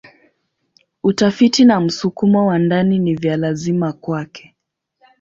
Utafiti na msukumo wa ndani ni vya lazima kwake.